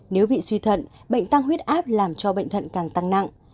nếu bị suy thận bệnh tăng huyết áp làm cho bệnh thận càng tăng nặng